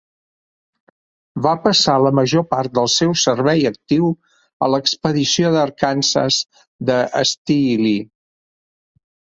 Va passar la major part del seu servei actiu a l'expedició d'Arkansas de Steele.